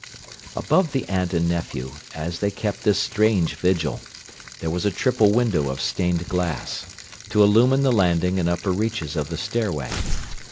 Above the aunt and nephew, as they kept this strange vigil, there was a triple window of stained glass, to illumine the landing and upper reaches of the stairway.